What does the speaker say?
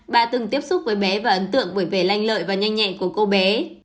bà từng tiếp xúc với bé và ấn tượng với vẻ lanh lợi và nhanh nhẹn của cô bé